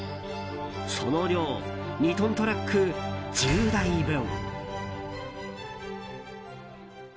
その量、２トントラック１０台分。